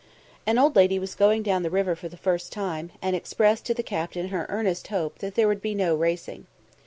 An old lady was going down the river for the first time, and expressed to the captain her earnest hope that there would be no racing.